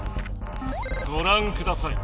ごらんください。